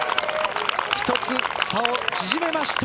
１つ差を縮めました。